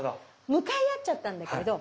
向かい合っちゃったんだけどこれはね